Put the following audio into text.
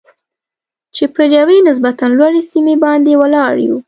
چې پر یوې نسبتاً لوړې سیمې باندې ولاړ یو.